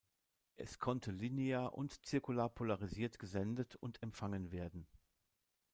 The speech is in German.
Es konnte linear und zirkular polarisiert gesendet und empfangen werden.